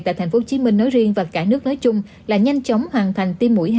tại tp hcm nói riêng và cả nước nói chung là nhanh chóng hoàn thành tiêm mũi hai